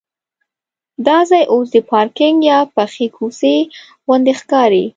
دا ځای اوس د پارکینک یا پخې کوڅې غوندې ښکاري.